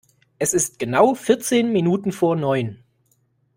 Es ist genau vierzehn Minuten vor neun!